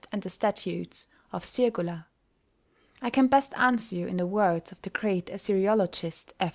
and the statutes of Sirgullah? I can best answer you in the words of the great Assyriologist, F.